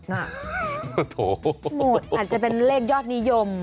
หมดอาจจะเป็นเลขยอดนิยม